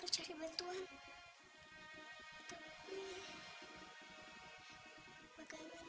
citra mohon bu jangan diminum